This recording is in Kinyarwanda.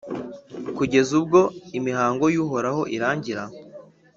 kugeza ubwo imihango y’Uhoraho irangira,